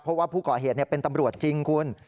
เพราะว่าผู้ก่อเหตุเป็นตำรวจจริงคุณ